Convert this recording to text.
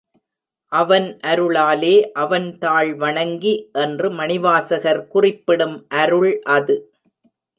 அவன்அரு ளாலே அவன்தாள் வணங்கி என்று மணிவாசகர் குறிப்பிடும் அருள் அது.